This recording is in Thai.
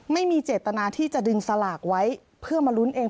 ไม่มีเจตนาที่จะดึงสลากไว้เพื่อมาลุ้นเอง